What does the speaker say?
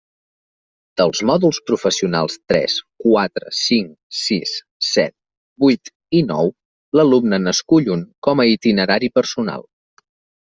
Dels mòduls professionals tres, quatre, cinc, sis, set, vuit i nou l'alumne n'escull un com a itinerari personal.